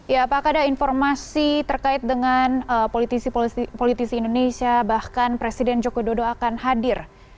ya apakah ada informasi terkait dengan politisi politisi indonesia bahkan presiden joko dodo akan hadir